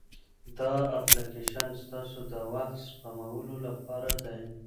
دا اپلیکیشن ستاسو د وخت سپمولو لپاره دی.